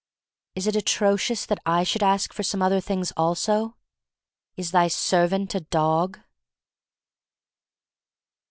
Is it atrocious that I should ask for some other things also? Is thy servant a dog?